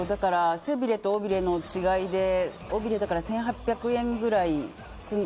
背びれと尾びれの違いで尾びれだから１８００円ぐらい。